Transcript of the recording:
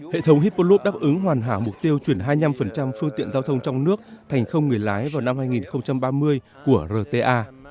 hệ thống hepolop đáp ứng hoàn hảo mục tiêu chuyển hai mươi năm phương tiện giao thông trong nước thành không người lái vào năm hai nghìn ba mươi của rta